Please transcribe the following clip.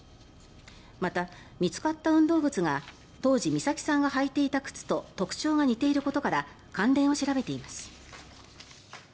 また、見つかった運動靴が当時、美咲さんが履いていた靴と特徴が似ていることから関連を調べています。